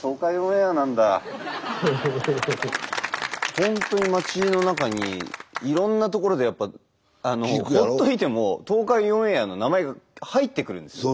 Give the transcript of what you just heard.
本当に街の中にいろんなところでほっといても東海オンエアの名前が入ってくるんですよ。